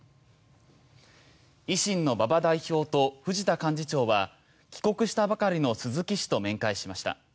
維新の馬場代表と藤田幹事長は帰国したばかりの鈴木氏と面会しました。